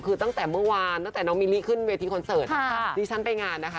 คือตั้งแต่เมื่อวานตั้งแต่น้องมิลลี่ขึ้นเวทีคอนเสิร์ตดิฉันไปงานนะคะ